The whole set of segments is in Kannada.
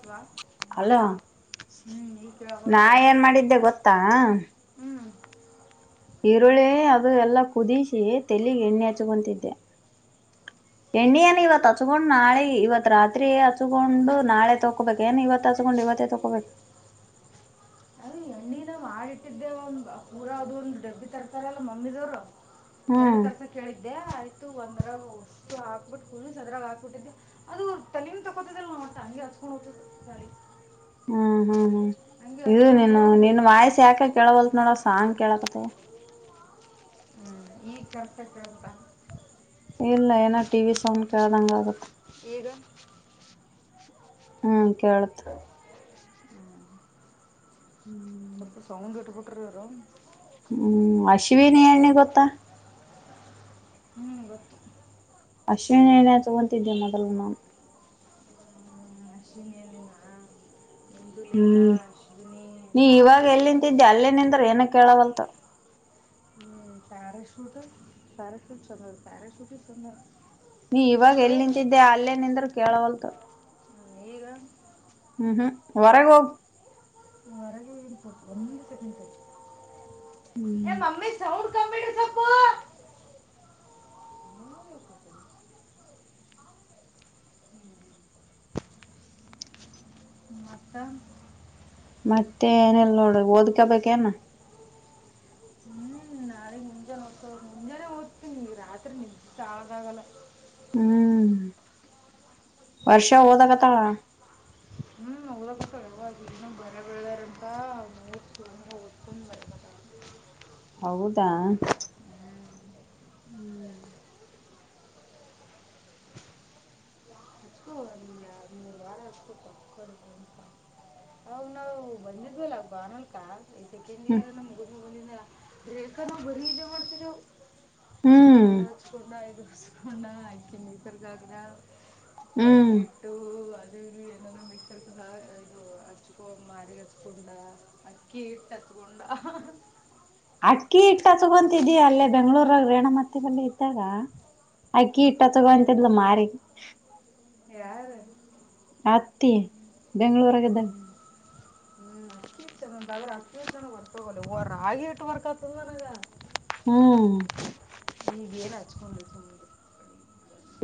ಅಲ್ವಾ ಹಲೋ ಹ್ಞೂ ಈಗ ನಾ ಕೇಳಾಕತ್ವಾ ಏನ್ ಮಾಡಿದ್ದೆ ಗೊತ್ತಾ ಹ್ಞೂ ಈರುಳ್ಳಿ ಅದು ಎಲ್ಲಾ ಕುದಿಸಿ ತೆಲ್ಲಿಗೆ ಎಣ್ಣೆ ಹಚ್ಚಕೊಂತಿದ್ದೆ ಎಣ್ಣಿ ಏನ್ ಇವತ್ ಹಚ್ಕೊಂಡ್ ನಾಳೆ ಇವತ್ ರಾತ್ರಿ ಹಚ್ಕೊಂಡು ನಾಳೆ ತೊಕೋಬೇಕ್ ಏನ ಇವತ್ತು ಹಚ್ಕೊಂಡು ಇವ ಗೊತ್ತಯಿತ್ತಪ್ ಗೊತ್ತ ಅದು ಎಣ್ಣಿನ ಮಾಡಿ ಇಟ್ಟಿದ್ದೆ ಒಂದ್ ಪೂರ ಅದು ಒಂದು ಡಬ್ಬಿ ತರ್ತಾರಲ್ಲ ಮಮ್ಮಿದವರು ಎರಡು ಹ್ಮ್ ತಾರಸಕ್ಕೆ ಹೇಳಿ ಇದೆ ಆಯ್ತು ಒಂದರ ಹುಟ್ ಹಾಕ್ಬಿಟ್ಟು ಕ ಅದರ ಹಾಕ್ಬಿಟ್ಟಿದ್ದೆ ಅದು ಟಲೀಮ್ ತಗೊತ್ತಾಲ್ಲ ಮತ್ತ್ ಅಂಗೆ ಹಸ್ಕೊಂಡು ಹೊತ್ತದ ಹ್ಮ್ ಹ್ಮ್ ಹ್ಮ್ ಇದು ನೀನು ಹೋಗಿ ನಿನ್ ವಯಸ್ಸ್ ಯಾಕ್ ಕೇಳಬಲ್ ನೋಡ ಸಾಂಗ್ ಕೇಳಕತ್ತವ ಹ್ಮ್ ಈ ಕೆಲಸ ಕೆಲ್ಪ ಇಲ್ಲ ಏನೋ ಟಿ ವಿ ಸೌಂಡ್ ಕೇಳ್ದಂಗ ಆಗುತ್ತೆ ಈಗ ಹ್ಮ ಕೇಳತ ಹ್ಮ್ [unintelligible] ಸೌಂಡ್ ಇಟ್ಟು ಬಿಟ್ಟ್ರೂ ಇವ್ರು ಹ್ಮ್ ಅಶ್ವಿನಿ ಎಣ್ಣಿ ಗೊತ್ತಾ ಹ್ಮ್ ಗೊತ್ತು ಅಶ್ವಿನಿ ಎಣ್ಣಿ ಹಚ್ಚಕೊಂತಿದ್ದೆ ಮೊದಲು ನಾ ಹ್ಮ್, ಅಶ್ವಿನಿ ಎಣ್ಣಿ ನಾ ಹ್ಮ್ ನೀ ಇವಾಗ ತಾರಷ್ಟೇ ಚಂದ ಎಲ್ಲಿಂತಿದ್ದೆ ಅಕ್ಕ. ಅಲ್ಲೇ ನಿಂದ್ರೂ ಏನೂ ಕೇಳಗಲ್ದೂ ಹ್ಮ್ ಪ್ಯಾರಾಶೂಟ ಪ್ಯಾರಾಶೂಟ್ ಚಂದ ಪ್ಯಾರಾಶೂಟ್ ಚಂದನ ನೀ ಇವಾಗ ಎಲ್ಲಿ ನಿಂತಿದ್ದೆ ಅಲ್ಲೇ ನಿಂದ್ರರು ಕೇಳವಲ್ತು ಈಗ ಹ್ಮ್ ಹ್ಮ್ ಹೊರಗ್ ಹೋಗ್ ಹೊರಗೆ ನಿಂತು ಕೊಂಡಿದ್ದೆ ಹ್ಮ್ ಮಮ್ಮಿ ಸೌಂಡ್ ಕಮ್ಮಿ ಇಡು ಸ್ವಲ್ಪ ಮತ್ತ ಮತ್ತೆ ಏನಲ್ ನೋಡ ಓದ್ಕಬೇಕೇನ ಹ್ಮ್ ನಾಳೆ ಮುಂಜಾನೆ ಓದ್ಕೋ ಮುಂಜಾನೆ ಓದ್ತೀನಿ ರಾತ್ರಿ ನಿದ್ದಿ ಸಾಕಾಗಲ್ಲ ಹ್ಮ್ ವರ್ಷಾ ಓದಕತಾಳ ಹ್ಮ್ ಹದಕ್ಕಳವರಿ ಬಳ ಬೆಳೆದ [unintelligible] ಬರಬೇಕಾಗಲ್ಲ ಹೌದಾ ಹ್ಮ್ ಹ್ಮ ಹಚ್ಕೋ ಒಂದು ಎರಡು ಮೂರು ವಾರ ಹಚ್ಕೋ ಹ ಬಂದಿದ್ಲ್ಲ ಬಾನಲ್ಕಾ ಈ ಸೆಕೆಂಡ್ ಇಯರ್ ನ ಮುಗ ಬಂದ ಏಕೆ ಬರೀ ಇ ಮಾಡ್ತರು ಹ್ಮ್ ಅ ಹಚ್ಕೊಂಡು ಸುಣ ಆಯಕಿನಿ ಇದರ್ಗಾಗಿನ ಹ್ಮ್ ಅದುಲ್ಲಿ ಮಿದು ಅಡ [unintelligible] ಹಚ್ಕೊಂಡ ಅಕ್ಕಿ ಇಟ್ಟಚ್ಕೊಂಡ ಅಕ್ಕಿ ಇಟ್ಟ ಹಚತಗೊಂತಿದ್ದಿ ಅಲ್ಲೇ ಬೆಂಗಳೂರಗ ರೇಣಮತ್ತಿ ಬಲ್ಲಿ ಇದ್ದಾಗ ಅಕ್ಕಿ ಇಟ್ಟ ಹಚತಗೋಂತಿದ್ಲು ಮಾರಿಗಿ ಯಾರು ಅತ್ತಿ ಬೆಂಗಳೂರಗ ಇಗ್ದಾಗ ಹ್ಞೂ ಅನ ವರ್ತೋಗಲ್ಲ ರ ಆಾಗಿಿ ಇಟ್ಟು ವರ್ಕತಂದಾನಾಗ [unintelligible] ಹ್ಮ್ ಹಿಗ್ ಏನ್ ಹಚ್ಕೊಂಡುದು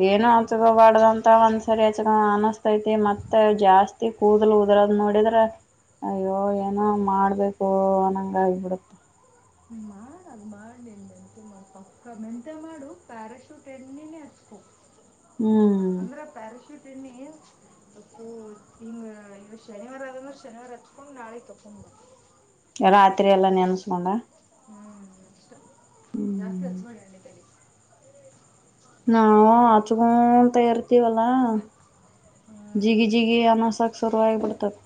ಏನು ಅಚಕಬಡದಂತ ಒಂದ್ಸರಿ ಅ ಅನಸ್ತೈತಿ ಮತ್ತ ಜಾಸ್ತಿ ಕೂದಲು [unintelligible] ಅದ್ರದ ನೋಡಿದ್ರೆ ಅಯ್ಯೋ ಏನೋ ಮಾಡ್ಬೇಕು ಅನ್ನಂಗ ಆಗಿಬಿಡುತ್ತ ಮಾಡು ಅದು ಮಾಡಲಿಲ್ಲ ಪಕ್ಕ ಮೆಂತ ಮಾಡು ಪ್ಯಾರಾಶೂಟ್ ಎಣ್ಣೇನೆ ಹಚ್ಕೋು ಹ್ಮ್ ಅಂದ್ರೆ ಪ್ಯಾರಾಶೂಟ ಏಣ್ಣಿ ಇಪ್ಪ ಈ ಇಗ ಶನಿವಾರ ಆದಂದ್ರೆ ಶನಿವಾರ ಅಚ್ಕೊಂಡು ನಾಳೆಗ್ ತೊಂಕ್ಕಬಿಡು ರಾತ್ರಿ ಎಲ್ಲಾ ನೆನ್ಸ್ಕೊಂಡ ಹ್ಮ್ ಇಷ್ಟ ಜಾಸ್ತಿ ಹಚ್ು ಮಾಡಿಣಿ ತ [unintelligible] ನಾವು ಆಚಗೋಂತ ಇರತೀವಲ್ಲಾ ಜಿಗಿ ಜಿಗಿ ಅನಸಕ್ ಸುರು ಆಗಿಬಿಡುತಾದ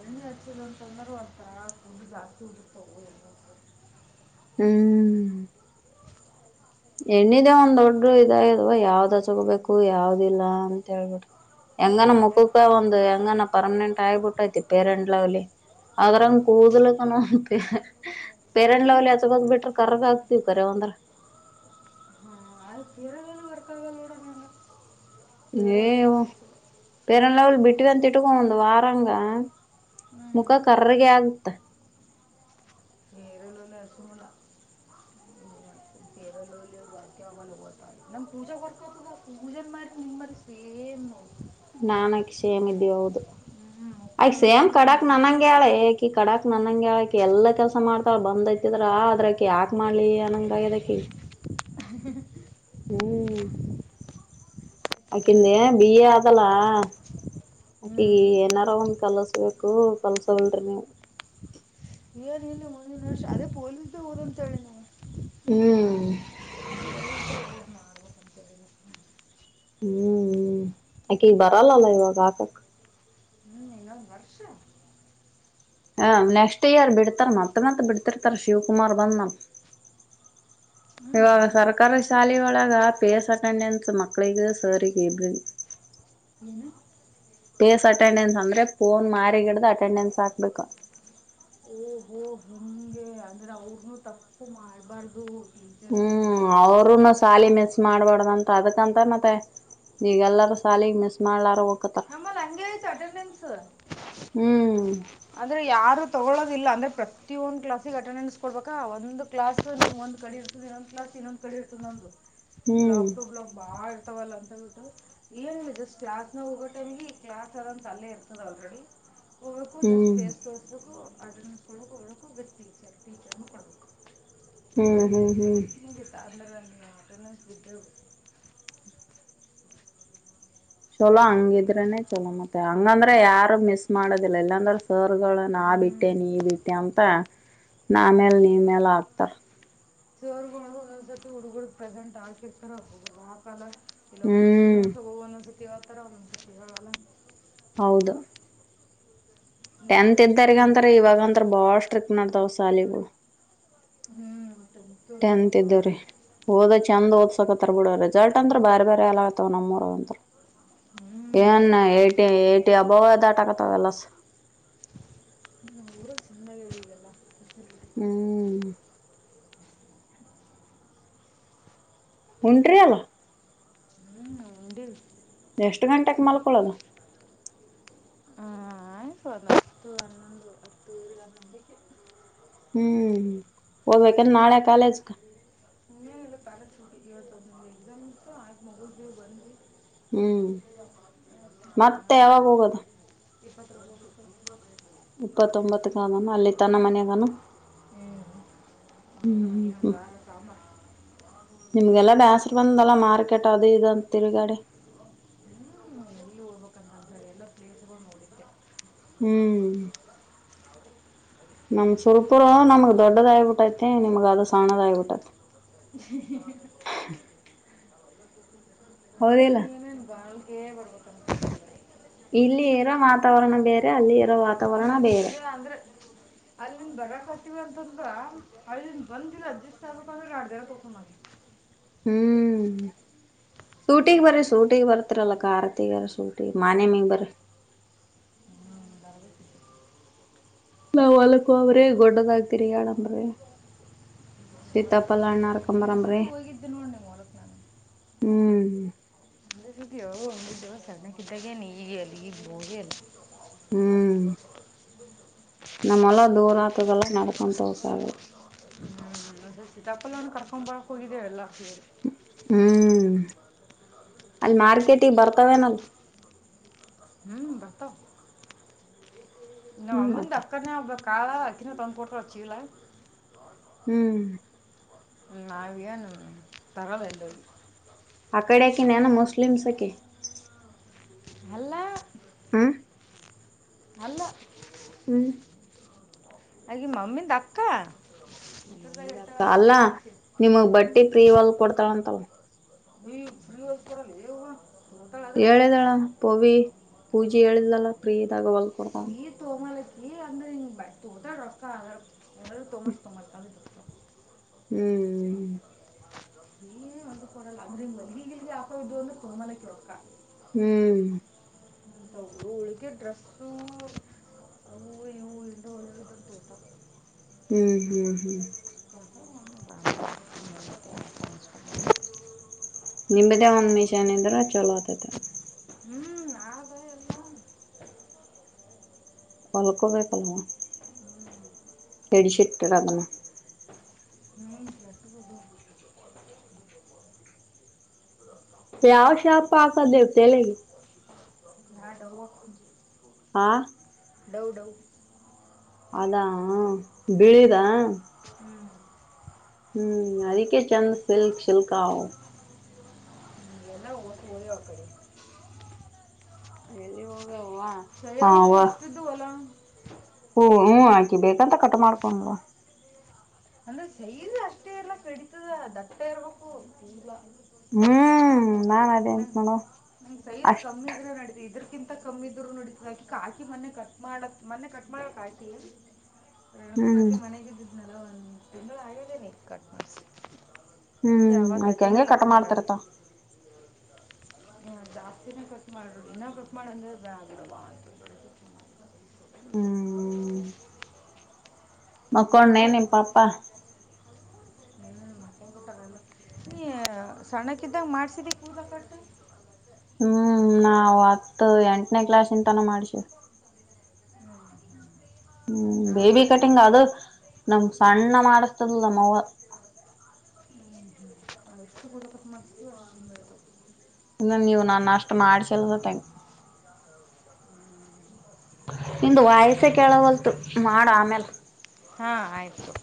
ಎ್ಣ ಹಚ್ಚಿಲ್ಲ ಅಂತ ಅಂದ್ರರು ಒಂತ ತುಂಡ ಜಾಸ್ತಿ ಉಟತ ಎ ಹ್ಮ್ ಹೆಣ್ಣಿನೆ ಒಂದ್ ದೊಡ್ಡ ಇದಾ ಆಗೆದವ ಯಾವ್ದ ಹಚಗಬೇಕು ಯಾವ್ದಿಲ್ಲ ಅಂತ ಹೇಳ್ಬಿಟ್ರಿ ಹೆಂಗನ ಮತ್ತೆ ಮುಖುಕ ಒಂದು ಹೆಂಗನ ಪರ್ಮನೆಂಟ್ ಆಗಿಬಿಟ್ಟೈತಿ ಪೇರೆಂಟ್ ಲವ್ಲಿ ಅ್ರಂಗ ಕೂದ್ಲಕ್ಕ ಪೇರೆಂಡ್ಲ ಅವಲಿ ಆಚಗದ ಬಿಟ್ರ ಕರಗ ಆಾಕ್ತಿವ ಕರೆವಂದ್ರ [unintelligible] [unintelligible] ಹಾಂ ಅದು ಫೆರಲೌಲಿ ಫೆರಲೌಲಿ ಬಿಟ್ಟವಂತಟ್ಕೋ ಒಂದು ವಾರಂಗ ಹ್ಞೂ ಮುಖ ಕರ್ರಗೆ ಆಗುತ್ತ ಸೋಲ [unintelligible] [unintelligible] ನಮ್ ಪೂಜೆರ್ ಪೂಜೆ ಮಾಡ ನಿಮ್ ಮ ಸೇಮ್ ನ [unintelligible] ನಾನ್ ಅಕಿ ಸೇಮ್ ಇದಿವಿ ಹೌದು ಹ್ಮ್ ಮುಖ ಅಕಿ ಸೇಮ್ ಅಂದ್ರೆ ಕಡಾಕ್ ಹಿಂಗೆ ನನಂಗ ಹಾಳಯೆ ಅಕಿ ಕಡಾಕ್ ನನಂಗಕಿ ಎಲ್ಲಾ ಕೆಲ್ಸ ಮಾಡ್ತಾಳ ಬಂದೈತಿದ್ರ ಅದ್ರಕ ಯಾಕ ಮಾಡ್ಲಿ ಅನ್ನಂಗದಕಿ ಹ ಹ್ಮ್ ಅಕಿಂದೆ ಬಿಿಯ ಆದದಲ್ಲಾ ಹ್ಞೂ ಅಕಿ ಏನಾರ ಒಂದ್ ಕಲಸ್ಬೇಕು ಕಲ್ಸವಲ್ಿ ನೀವು ಏನ್ ಇಲ್ಲಿ ಮಿನ ಅದೇ ಪೊಲೀ ಓದ್ ಚಳಿ ನ ಹ್ಮ್ ಓದ್ ಮಾಡ್ಬೇಕಂತೇಳಿ ಹ್ಮ್ ಆಕಿ ಬರಲ್ಲ ಅಲ್ಲ ಇವಾಗ ಕಾಕಕ ಹ್ಞೂ ಇನ್ನೊಂದು ವರ್ಷ ಹಾ ನೆಕ್ಸ್ಟ್ ಇಯರ್ ಬಿಡ್ತಾರ ಮತ್ತೆ ಮತ್ ಬಿಡ್ತಿರ್ತಾರ ಶಿವಕುಮಾರ್ ಬಂದ ಹ್ಮ್ ಇವಾಗ ಸರ್ಕಾರಿ ಶಾಲೆಗಳು ಹಳಾಗ ಪೇಸಕಂಡೆನ್ಸ ಮಕ್ಕಳಿಗೆ ಸರಿ ಕಬ್ರಿ ಹನ್ನು ಅಟೆಂಡೆನ್ಸ್ ಅಂದ್ರೆ ಫೋನ್ ಮಾರಿಗಿಡ್ದ ಅಟೆಂಡೆನ್ಸ್ ಹಾಕ್ಬೇಕು ಓಹ ಹೋ ನಿಂಗೆ ಅಂದ್ರೆ ಅವ್ರನು ತಪ್ಪು ಮಾಡ್ಬಾರ್ದು ಹ್ಮ್ ಅವರುನು ಸಾಲಿ ಮಿಸ್ ಮಾಡ್ಬಾರಡ್ದಂತ ಅದ ತ ಮತ್ತೆ ಈಗ ಎಲ್ಲಾರ ಶಾಲಗ್ ಮಿಸ್ ಮಾಡ್ಲಾರ ಹೋಗಕತ್ತಾರ ನಮ್ಮಲ್ಲಿ ಹ ಆಯ್ತ ಅಟೆಂಡನ್ಸ್ ಹ್ಮ್ ಅ್ರಯಾರ ತೊಗೊಳ್ಳೋದಿಲ್ಲ ಅಂದ್ರೆ ಪ್ರತೊಂದು ಕ್ಲಾಸಸ್ಗೆ ಅಟೆಂಡೆನ್ಸ್ ಕೊಡ್ಬೇಕ ಒಂದು ಕ್ಲಾಸ್ ಒ ಕಡೆ ಇರ್ತದೆ ಇನ್ನೊ ಕ್ಲಸ್ ಇನ್ನೊಂದ್ಡೆ ಇಷ್ಟತು ನಂದು ಹ್ಮ್ ಬ್ಲಾಗ್ ಟು ಬ್ಲಾಗ್ ಬಾಳ ಇರ್ತವಲ್ಲ ಅಂತೇಳ್ಬಿಟ್ಟು ಏನ್ದೆ ಜಸ್ಟ್ ಜಸ್ ನ ಹೋಗ ನಮ್ಗೆ ಕ್ಲಾಸ್ ಅರಂತ ಅಲ್ಲೇ ಇರ್ತದೆ ಆಲ್ರೆಡಿ ಹೋಗಕ್ಕೂ ಜಸ್ಟ್ ಹ್ಮ್ ಫೇಸ್ ಅದನ್ನು ಕೊಳಗೋ ಒಳಕೋ ಗತ್ತ ಟೀಚರ್ ಟೀಚರನ್ನು ಕೊಡಬೇಕು ಹ್ಮ್ ಹ್ಮ್ ಹ್ಮ್ ನಗ ತಂದ್ರ ಅ ಅಟೆೆನ್ಸ್ ಬಿದ್ದ ಚಲೋ ಹಂಗಿದ್ರನೆ ಚಲೋ ಮತ್ತೆ ಹಂಗಂದ್ರೆ ಯಾರು ಮಿಸ್ ಮಾಡದ ಎಲ್ಲಾಂದ್ರ ಸರ್ಗಳು ನಾ ಹ್ಞೂ ಬಿಟ್ಟೆ ನೀ ಬಿಟ್ಟೆ ಅಂತ ನಮೇಲ್ ನೀ ಮೇಲ್ ಆಗ್ತಾರ ಸರ್ ಹುಡುಗ ಪ್ರೆಸೆಂಟ್ ಆಗ್ತಿರ್ತರಬಹ ಮಹಾಕಾಲ ಇಲ್ಲ ಒ ಹ್ಮ್ ಸುಗಸ ಭನಸ ಆತರಾವಸಗಲ್ಲ ಹೌದು ಟೆಂತ್ ನಾವೆಷ್ಟೋ ಇದ್ದಾರಗ ಅಂತಾರ ಇವಾಗಂತರ ಬಾಳ ಸ್ಟ್ರಿಕ್ಟ್ ಮಾಡ್ತಾವ ಶಾಲಿಗಳು ಹ್ಮ್ ಟ ಎಂತ ಇದ್ದವ್ರೀ ಹೋದ ಚೆಂದ್ ದ ಬಿಡ ರಿಸೆಲ್ಟ್ ಅಂದ್ರ ಬಾರಿ ಬಾರಿ ಎಲ್ಲ ಆತವ ನಮ್ಮೂರಂತ ಹ್ಞೂ ಏನ್ ಹೌದು ಏಟಿ ಏಟಿ ಅಬಾವ ದಾಟ ಆಕತಾವಲ್ಲ ಹ ಊರ ಚನ್ನದಲ್ಲ ಹ್ಮ್ ಹಂಟರಿ ಅಲ್ಲ ಹಂದ ಎಷ್ಟು ಗಂಟಕ್ ಮಲ್ಕೊಳದು ಹತ್ತುನ್ನಂದು ಹ [unintelligible] ಹ್ಮ್ ಹದ್ಬೇಕಂದ್ರ ನಾಳೆ ಕಾಲೇಜ್ ಪ್ಯಾರ ಶೂಟಿ ಹೇಳ್ತದ ಎಕ್ಸಾಮ್ ಇ ಆ ಮೊಬೈಲ್ ಬಂದಿ ಹ್ಮ್ ಮತ್ತೆ ಯಾವಾಗ ಹೋಗದ ಇಪ್ಪತ್ೋ [unintelligible] ಳ ಇಪ್ಪತ್ತೊಂಬತ್ತಗ ನಾನ ಅಲ್ಲಿ ತನ್ನ ಮನಯಾಗಾನ ಹ್ಞೂ ಹ್ಮ್ ಸ ನಿಮ್ಗೆಲ್ಲ ಬೇಸರು ಬಂದಲ್ಲ ಮಾರ್ಕೆಟ್ ಅದು ಇ ಅಂತ ತಿರುಗಡೆ [inaudible] ಹ್ಞೂ ಎಲ್ಲಿ ಹೋಗ್ಬೇಕಂತ ಎಲ್ಲ ಪ್ಲೇಸ್ಗಳು ನೋಡಿದ್ದೆ ಹ್ಮ್ [inaudible] ನಮ್ ಸುರ್ಪುರ ನಮ್ ದೊಡ್ಡದ ಆಟ್ಟತೆ ನಿಮ್ಗ ಅದು ಸಣದ ಆಗ್ಬಿಟ್ಟತೆ... ಹ [inaudible] ಹೌದಿಲ್ಲ. ಏನೇನು ಬಾಳ್ಗೆ ಬರ್ಬೇಕಂತ ಇಲ್ಲಿ ಇರೋ ವಾತಾವರಣ ಬೇರೆ ಅಲ್ಲಿ ಇರೋ... ಹ್ಮ್ ವಾತಾವರಣ ಬೇರೆ ನಿಜೆ ಅಂದ್ರೆ. ಅಲ್ಲಿನ್ ಬಗ ಕತೀವ ಅಂತಂದ್ರ ಅಲ್ಲಿನ್ ಒಂದ ದಿನ ಅಡ್ಜಸ್ಟ್ ಆಗ್ಬೇಕ ಅಂದ್ರೆ ಅಡು ದ ತಕೊಂಡ್ ಮಾಡವಿ... ಹ್ಮ್ [inaudible] ಸೂಟಿಗ್ ಬರ ಸೂಟಿಗೆ ಬರ್ತರಲ್ಲ ಕಾರತಿಗಾರ ಸೂಟಿ ಮಾನೆ ಮಿಗ್ ಬರಿ... ನಾ ಹೊಲ್ಕ್ ಹೋದ್ರೆ ಗೊಡ್ಡದಾಗ್ತಿರಿ [unintelligible] ಸೀತಾಪ್ಪಲ್ಲನ [unintelligible] ಹೋಗಿದ್ದ ನೋಡ್ ನೀ ಹೊರಕ್ ನಾನು. ಹ್ಮ್ [unintelligible] ಸಣ್ಣಕ್ಕಿ ಇದ್ದಾಗ್ಗಿ ನಿನ್ ಅಲ್ಲಿಗೆ ಇದ್ದೆ ಹೋಗ್ಲೇ ಇಲ್ಲಾ. ಹ್ಮ್ ನಮ್ಮ ಹೊಲ ದೂರ ಆತದೆಲ್ಲ ನಡ್ಕೊಂಡ ಹೋಗಕಾಗಲ್ಲ. ಅ ಸೀತಾಪಲ್ಲವನ್ನು ಕರ್ಕೊಂಡ್ ಬಾಕ್ ಹೋಗಿದ್ದೇವೆ ಎಲ್ಲಾ ಸೇರಿ. ಹ್ಮ್ ಅಲ್ಲಿ ಮಾರ್ಕೆಟಿಗೆ ಬರ್ತವೆ ನಾನ್ ಹ್ಮ್ [unintelligible] ನಾವ ಹ್ಮ್ ಅಮ್ಮಿಂದ ಮತ್ತ ಅಕ್ಕನ ಆಗಬೇಕ ಅಕ್ಕಿನ ತಂದ್ ಕೋಟ್ಲ ಚೀಲ. ಹ್ಮ್ [unintelligible] ತರೋದದು. ಆ ಕಡೆಕನ್ [unintelligible] ಮುಸ್ಲಿಮ್ಸ ಅಕಿ. ಅಲ್ಲ [unintelligible] ಅಲ್ಲ [unintelligible] ಅ ಮಮ್ಮಿ [unintelligible] ದಾಕ್ಕಾ. ಕ್ಕ ಅಲ್ಲಾ ನಿಮಗ್ ಬಟ್ಟಿ ಫ್ರೀವಲ್ ಹೋಲ್ ಕೊಡ್ತಾಳಂತಲ್. ನೀ ಶ್ರೀ ವಯಸ್ಕರಲ್ಲ [unintelligible] ಹೇಳಿದಳ ಪವಿ [unintelligible] ಹೇಳಿದ್ಲಲ್ಲ ಫ್ರೀ ಇದಾಗ ಹೊಲ್ ಕೊಡತ. [unintelligible] ಹ್ಮ್ ನೀ ಏ ಒಂದು ಕೊಡಲ್ಲ ಅಂದ್ರ ಮಗಲ್ಗೆ ಯಾಕ ಇದು ಅಂದು ಕೊಮಲಕ್ಕೆರಕ್ಕ. ಹ್ಮ್ ಹೌ ಹುಳದಿದ್ದ ಡ್ರಗ್ಸು. ತೊಗೊತಾವ ಹ್ಮ್ ಹು ಹು [unintelligible] [inaudible] ನಿಂಬದೇ ಒಂದ್ ಮಿಷನ್ ಇದ್ರ ಚಲೋ ಆತತೆ. ಹ್ಮ್ [unintelligible] ಹೊಲ್ಕೋಬೇಕಲ್ವಾ [unintelligible] ಶಟ್ಟರ್ ಅದಲ್ಲ. ಮೇನ್ ಯಾವ ಶಾಪ ಹಾಕ ದೇವ [unintelligible] [unintelligible] ಹಾ ಡವ್ ಡವ್ [unintelligible] ಅದಾ ಬಿಳಿದಾ. ಹ್ಞೂ ಹ್ಮ್ ಅದಕ್ಕೆೆ ಚಂದ ಸಿಲ್ಕ್ ಶಿಲ್ಕ [unintelligible] ಹ್ಮ್, ಎಲ್ಲ ಓಟ್ ಓದ್ಯಾವ ಆ ಕಡೆ ಎಲ್ಲಿಗ್ [unintelligible] [unintelligible] ಇಷ್ಟದು ಅಲಾ. ಹ ಹ್ಮ ಆಕಿ ಬೇಕಂತ ಕಟ್. [unintelligible] ಅಂದ್ರೆ [unintelligible] ಅಷ್ಟೇ ಇರ್ಲ್ಲ [unintelligible] ದಟ್ಟ ಇರ್ಬೇಕು [unintelligible] ಹ್ಮ್ ನಾನ್ ಅದೇಂತ ನಂಗೆ ನೋಡ ಅಷ್ಟ ಕಿಂತ ಕಮ್ಮಿದ್ರು ನಡೀತಾದ [unintelligible] ಕಾಕಿ ಮೊನ್ನೆ ಕಟ್ ಮಾಡ ಮೊನ್ನೆ ಕಟ್ ಮಾಡ್ಯಾಳ ಕಾಕಿ. ಹ್ಮ್ ಒಬ್ಬಾಕಿ ಮನ್ಯಾಗ್ ಇದ್ನಲ್ಲ [unintelligible] ತಿಂಗಳ ಆಗ್ಯಾದ [unintelligible] ಕಟ್ ಮಾಡ್ಸಿ. ಹ್ಮ್ ಅಕಿ ಹಂಗೆ ಕಟ್ ಮಾಡ್ತಿರ್ತಾಳ. ಹ ಜಾಸ್ತಿನ ಕಟ್ ಮಾಡ ಇನ್ನ ಕಟ್ ಮಾಡ ಅಂದ್ರೆ ಬ್ಯಾಡ್ [unintelligible] ಹ್ಮ್ ಮಕ್ಕೊಂಡ ನೆನ್ ಮಾಡೋದು ನಿಮ್ ಹೋಗಿ ಪಪ್ಪಾ. [unintelligible] ಸಣ್ಣಕಿದ್ದಾಗ ಮಾಡ್ಸಿದಿ ಕೂದ್ಲಾ ಕಟ್. ಹ್ಮ್ ನಾವು ಹತ್ತು ಎಂಟನೇ ಕ್ಲಾಸ್ ಇಂದಾನೆ ಮಾಡ್ತೀವಿ ಹಾಂ ಬೇಬಿ ಮಾಡಿಸಿದ್ದೆ ಕಟಿಂಗ್ ಆ ಅದು ನಮ್ಮ ಸಣ್ಣ ಮಾಡಸ್ತಾ ಇದ್ಲು ನಮವ್ವ [inaudible] ಎಷ್ಟು ಕೂದಲು ಕಟ್ ಮಾಡಿಸಿದ್ವಿ ಇನ್ನು ನೀವು ನನ್ನ ಅಷ್ಟ್ ಮಾಡ್ಸಿಲ್ಲ [unintelligible] ನಿಂದು ವಾಯಸೆ ಕೇಳವಲ್ತು ಮಾಡ ಆಮೇಲ್ ಹಾಂ ಆಯಿತು